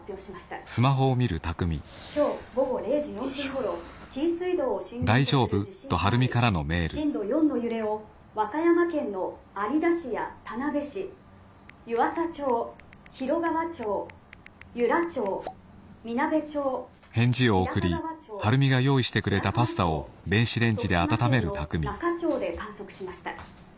「今日午後０時４分ごろ紀伊水道を震源とする地震があり震度４の揺れを和歌山県の有田市や田辺市湯浅町広川町由良町南部町日高川町白浜町徳島県の那賀町で観測しました。